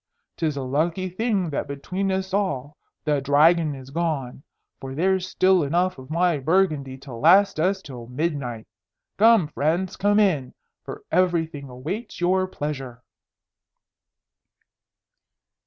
'Tis a lucky thing that between us all the Dragon is gone, for there's still enough of my Burgundy to last us till midnight. Come, friends, come in, for everything waits your pleasure!"